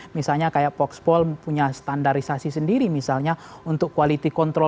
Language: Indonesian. misalnya kayak voxpol punya standarisasi sendiri misalnya untuk quality control